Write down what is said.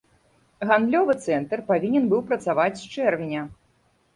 Гандлёвы цэнтр павінен быў працаваць з чэрвеня.